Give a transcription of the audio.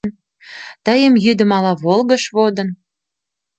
Тыйым йӱдым ала волгыж водын